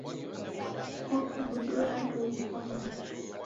Okubudua andonyi kwa machu.